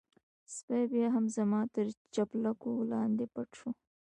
سپی بيا هم زما تر چپلکو لاندې پټ شو.